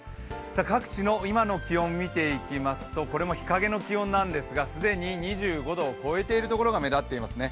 各地の今の気温見ていきますと、これも日陰の気温なんですが、既に２５度を超えているところが目立っていますね。